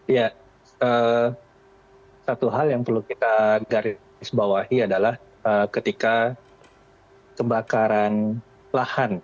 ya satu hal yang perlu kita garis bawahi adalah ketika kebakaran lahan